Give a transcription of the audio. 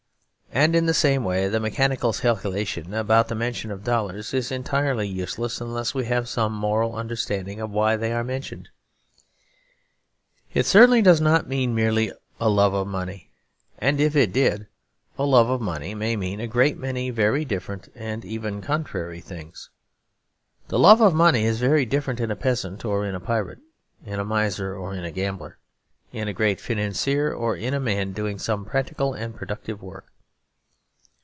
And in the same way the mechanical calculation about the mention of dollars is entirely useless unless we have some moral understanding of why they are mentioned. It certainly does not mean merely a love of money; and if it did, a love of money may mean a great many very different and even contrary things. The love of money is very different in a peasant or in a pirate, in a miser or in a gambler, in a great financier or in a man doing some practical and productive work.